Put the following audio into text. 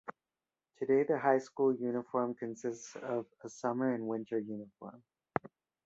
Today the High School uniform consists of a summer and winter uniform.